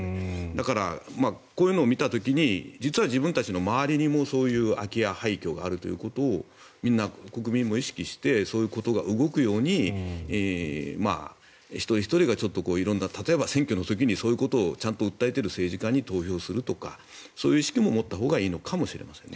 だから、こういうのを見た時に実は自分たちの周りにもそういう空き家、廃虚があるということをみんな、国民も意識してそういうことが動くように一人ひとりが、例えば選挙の時にそういうことをちゃんと訴えている政治家に投票するとかそういう意識も持ったほうがいいのかもしれません。